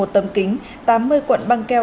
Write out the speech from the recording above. một tấm kính tám mươi quận băng keo